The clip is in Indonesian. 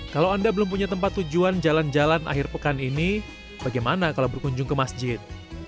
kalau anda belum punya tempat tujuan jalan jalan akhir pekan ini bagaimana kalau berkunjung ke masjid